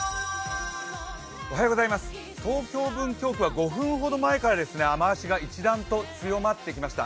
東京・文京区は５分ほど前から雨足が一段と強まってきました。